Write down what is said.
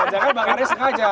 jangan bang arya sengaja